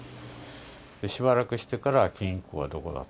しばらくしてから、金庫はどこだと。